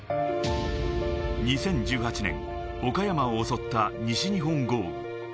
２０１８年、岡山を襲った西日本豪雨。